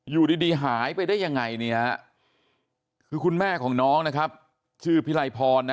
อยู่ดีหายไปได้ยังไงเนี่ยคือคุณแม่ของน้องนะครับชื่อพิไลพรนะ